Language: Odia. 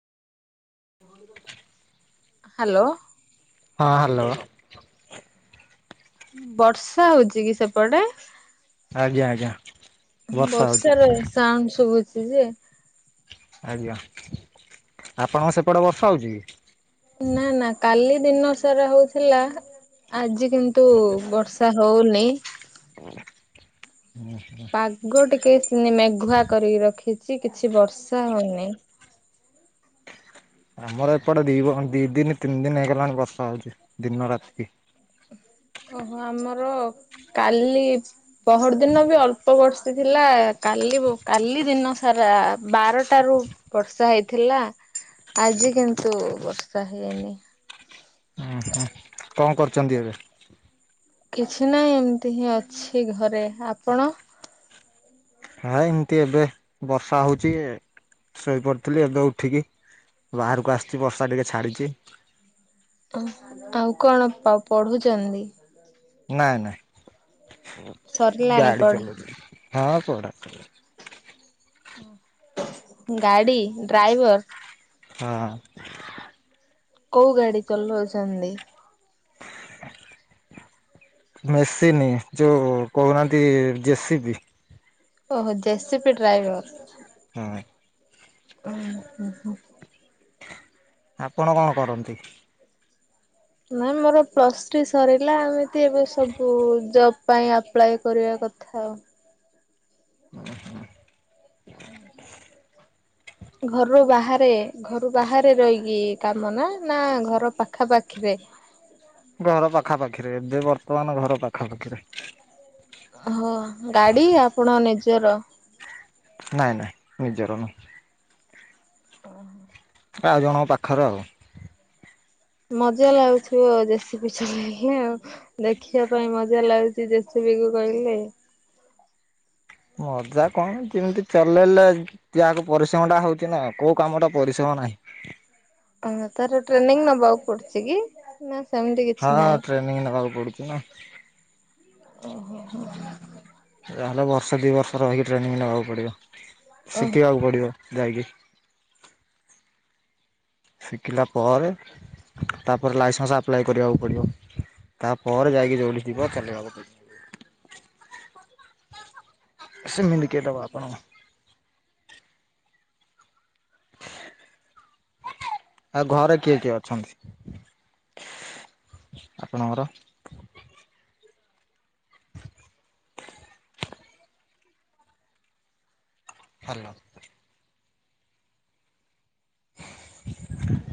ହ୍ୟାଲୋ ହଁ ହ୍ୟାଲୋ ବର୍ଷା ହଉଚି କି ସେପଟେ ଆଜ୍ଞା ଆଜ୍ଞା ବର୍ଷା ର ସାଉଣ୍ଡ ଶୁଭୁଛି ଯେ ଆଜ୍ଞା ଆପଣଙ୍କ ସେପଟେ ବର୍ଷା ହେଉଛି କି ନା ନା କାଲି ଦିନ ସାରା ହଉଥିଲା। ଆଜି କିନ୍ତୁ ବର୍ଷା ହଉନି ହୁଁ ହ ଆଗ ଟିକେ ମେଘୁଆ କରିକି ରଖିଛି କିଛି ବର୍ଷା ହଉନିଁ। ଆମର ଏପଟେ ଦି ଦି ଦିନ ତିନି ଦିନ ହେଇଗଲାଣି ବର୍ଷା ହଉଛି ଦିନ ରାତିକି ଓହୋ ଆମର କାଲି ପହର ଦିନ ବି ଅଳ୍ପ ବର୍ସି ଥିଲା କାଲି କାଲି ଦିନ ସାରା ବାରଟାରୁ ବର୍ଷା ହେଇଥିଲା ଆଜି କିନ୍ତୁ ବର୍ଷା ହେଇନି। ଉୁଁ ହୁଁ କଣ କରୁଛନ୍ତି ଏବେ? କିଛି ନାହିଁ ଏମିତି ହିଁ ଅଛି ଘରେ ଆପଣ? ହଁ ଏମିତି ଏବେ ବର୍ଷା ହଉଛି। ଶୋଇପଡ଼ିଥିଲି ଏବେ ଉଠିକି ବାହାରକୁ ଆସିଛି ବର୍ଷା ଟିକେ ଛାଡ଼ିଛି ଓ ଆଉ କଣ ପଢୁଛନ୍ତି। ନାଇଁ ନାଇଁ ସରିଲାଣି ଗାଡି ପଢା ଚଉ ହଁ ପଢ। ଗାଡି ଡ୍ରାଇଭର। ହଁ। କୋଉ ଗାଡି ଚଲାଉଛନ୍ତି। [unintelligible] ମେସିନି ଯୋଉ କହୁନାହାନ୍ତି ଜେସି ବିି ଓହୋ ଜେସିପି ଡ୍ରାଇଭର। ହଁ ଓଁ ହୁଁ ହୁଁ ଆପଣ କଣ କରନ୍ତି? ନାାଇ ମୋର ପ୍ଲସ୍ ଥ୍ରୀ ସରିଲା ଏମିତି ଏବେ ସବୁ ଜବ ପାଇଁ ଆପ୍ଲାଏ କରିବା କଥା। ଖାଉ। ହୁଁ ହୁଁ ଘରୁରୁ ବାହାରେ ଘରୁ ବାହାରେ ରହିକି କାମ ନା ନା ଘର ପାଖା ପାାଖିରେ ଘର ପାଖା ପାାଖିରେ ଏବେ ବର୍ତ୍ତମାନ ଘର ପାଖା ପାଖିରେ ହଁ ଗାଡି ଆପଣ ନିଜର ନାଇଁ ନାଇଁ ନିଜର ନୁହଁ। ପାଳ ହେଲା। ଆଉ ଜଣଙ୍କ ପାଖରେ ଆଉ ମଜା ଲାଗୁଥିବ ଆଉ ଦେସୀ ପିଛ ଆଉ ଦେଖିବା ପାଇଁ ମଜା ଲାଗୁଛି ଜେସେବିକୁ କହିଲେ। ମଜା କଣ ଯେମିତି ଚଲେଇଲେ ପରିଶ୍ରମ ଟା ହଉଛି ନା କୋଉ କାମ ଟା ପରିଶ୍ରମ ନାହିଁ। [unintelligible] ତାର ଟ୍ରେନିଂ ନବାକୁ ପଡୁଚି କି ନା ସେମିତି ହଁ କିଛି ନାହିଁ? ଟ୍ରେନିଂ ନେବାକୁ ପଡୁଛି ନା ଯାହେଲେ ବର୍ଷେ ଦୁଇ ବର୍ଷ ରହିକି ଟ୍ରେନିଂ ନେବାକୁ ପଡିବ ଓ ଶିକିବାକୁ ପଡିବ ଯାଇକି। ଶିକିଲା ପରେ ତାପରେ ଲାଇସେନ୍ସ ଆପ୍ଲାଏ କରିବାକୁ ପଡ଼ିବ ତାପରେ ଯାଇକି ଯଉଠି ଯିବ ଚଲେଇବାକୁ ପଡିବ। ସେମିତି କିଏ ଦବ ଆପଣଙ୍କୁ। ଆଉ ଘରେ କିଏ କିଏ ଅଛନ୍ତି ଆପଣଙ୍କର? ହାଲୋ।